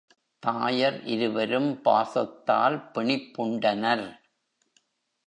தாயர் இருவரும் பாசத்தால் பிணிப் புண்டனர்.